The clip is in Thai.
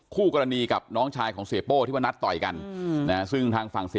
คู่กรณีกับน้องชายของสวีชดมินอย่างบิษล